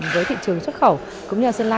với thị trường xuất khẩu cũng như sơn la